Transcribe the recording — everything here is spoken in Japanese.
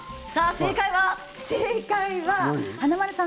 正解は、華丸さん